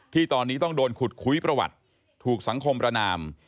ที่ตอนนี้ต้องโดนขุดคุยประวัติถูกสังคมประนาม